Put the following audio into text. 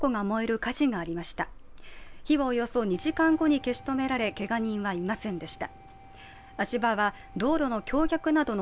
火はおよそ２時間後に消し止められけが人はいませんでした。